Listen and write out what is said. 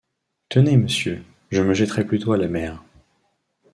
Tenez, monsieur, je me jetterai plutôt à la mer !